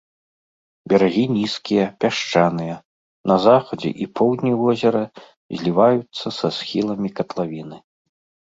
Берагі нізкія, пясчаныя, на захадзе і поўдні возера зліваюцца са схіламі катлавіны.